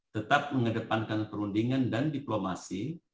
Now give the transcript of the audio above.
tetap mengedepankan perundingan dan diplomasi